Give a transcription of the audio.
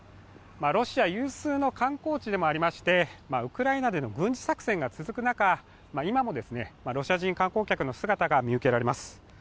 ロシア有数の観光地でもありましてウクライナでの軍事作戦が続く中、今もロシア人観光客の姿が見受けられます。